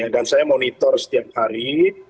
dan saya monitor setiap hari